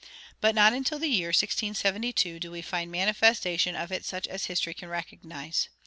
But not until the year 1672 do we find manifestation of it such as history can recognize.